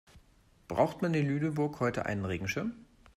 Braucht man in Lüneburg heute einen Regenschirm?